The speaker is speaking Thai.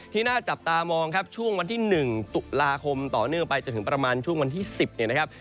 น่าจับตามองครับช่วงวันที่๑ตุลาคมต่อเนื่องไปจนถึงประมาณช่วงวันที่๑๐เนี่ยนะครับ